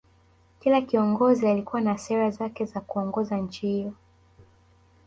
Kila kiongozi alikuwa na sera zake kwa kuongoza nchi hiyo